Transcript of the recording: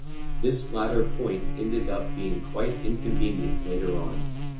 This latter point ended up being quite inconvenient later on.